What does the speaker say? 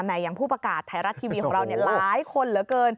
แหมอย่างผู้ประกาศไทราทิวีของเราเนี่ยหลายคนเหลือเกิน